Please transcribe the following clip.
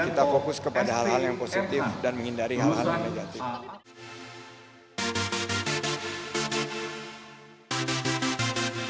kita fokus kepada hal hal yang positif dan menghindari hal hal yang negatif